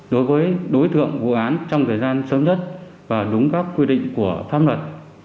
đối với đối tượng vụ án trong thời gian sớm nhất và đúng các quy định của pháp luật